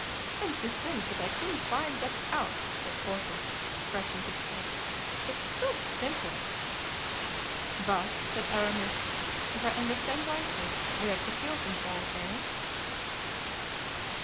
"And to think that I couldn't find that out," said Porthos, scratching his head; "it is so simple." "But," said Aramis, "if I understand rightly we are to kill them all, eh?"